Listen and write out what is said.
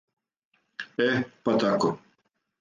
Е, па тако.